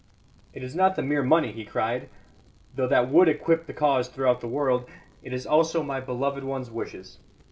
"It is not the mere money," he cried, "though that would equip the cause throughout the world. It is also my beloved one's wishes.